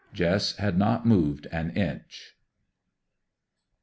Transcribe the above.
Jess had not moved an inch.